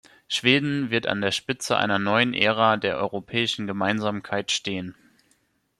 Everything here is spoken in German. Schweden wird an der Spitze einer neuen Ära der europäischen Gemeinsamkeit stehen.